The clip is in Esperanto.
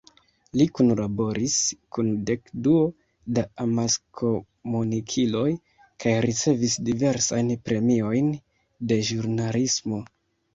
Li kunlaboris kun dekduo da amaskomunikiloj kaj ricevis diversajn premiojn de ĵurnalismo.